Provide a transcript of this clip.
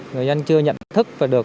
người dân chưa nhận thức và được